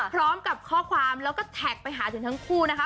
พร้อมกับข้อความแล้วก็แท็กไปหาถึงทั้งคู่นะคะ